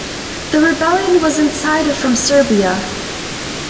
The rebellion was incited from Serbia.